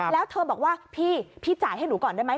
แล้วเธอบอกว่าพี่พี่จ่ายให้หนูก่อนได้ไหม